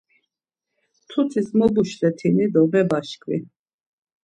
Mtutis mobuşletini do mebaşkvi.